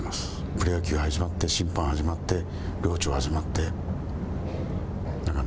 プロ野球始まって、審判始まって寮長が始まって。